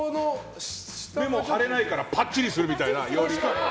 目も腫れないからパッチリするみたいな。